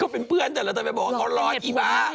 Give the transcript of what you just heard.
เป็นเพื่อนแต่เราจะไปบอกว่าเขาร้อนอีบ้า